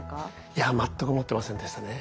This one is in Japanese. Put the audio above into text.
いや全く思ってませんでしたね。